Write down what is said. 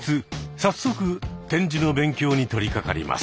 早速点字の勉強に取りかかります。